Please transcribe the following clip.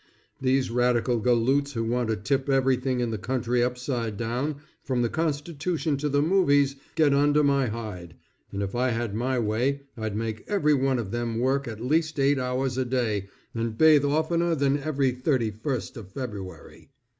These radical galoots who want to tip everything in the country upside down from the constitution to the movies get under my hide, and if I had my way I'd make everyone of them work at least eight hours a day and bathe oftener than every thirty first of February.